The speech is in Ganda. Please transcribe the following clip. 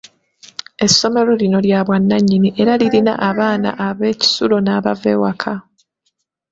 Essomero lino lya bwanannyini, era lirina abaana ab'ekisulo n'abava ewaka.